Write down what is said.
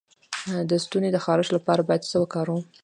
د ستوني د خارش لپاره باید څه وکاروم؟